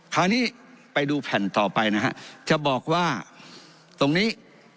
คราวนี้ไปดูแผ่นต่อไปนะฮะจะบอกว่าตรงนี้